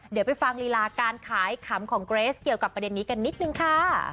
เดี๋ยวไปฟังลีลาการขายขำของเกรสเกี่ยวกับประเด็นนี้กันนิดนึงค่ะ